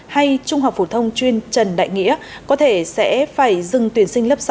hay trung học phổ thông chuyên trần đại nghĩa có thể sẽ phải dừng tuyển sinh lớp sáu